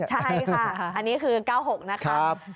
ใช่ค่ะอันนี้คือ๙๖นะคะ